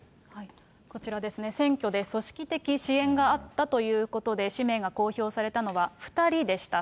こちらですね、選挙で組織的支援があったということで、氏名が公表されたのは２人でした。